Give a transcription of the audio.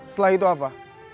setelah itu apa